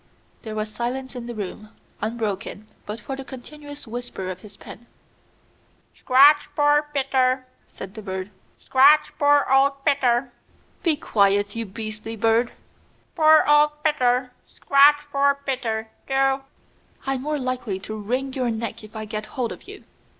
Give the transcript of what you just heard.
There was silence in the room, unbroken but for the continuous whisper of his pen. "Scratch poor Peter," said the bird. "Scratch poor old Peter!" "Be quiet, you beastly bird!" "Poor old Peter! Scratch poor Peter, do." "I'm more likely to wring your neck if I get hold of you."